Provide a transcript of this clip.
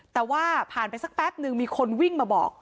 แต่ว่าผ่านไปสักแป๊บนึงมีคนวิ่งมาบอก